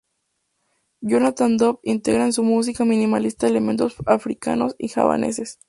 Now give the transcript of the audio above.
Jonathan Dove integra en su música minimalista elementos africanos y javaneses.